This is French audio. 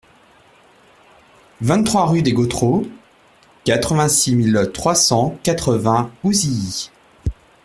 vingt-trois rue des Gautreaux, quatre-vingt-six mille trois cent quatre-vingts Ouzilly